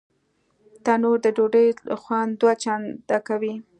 تنور د ډوډۍ خوند دوه چنده کوي